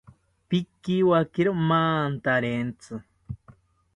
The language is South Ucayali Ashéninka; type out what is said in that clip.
Pikiwakiro mantarentzi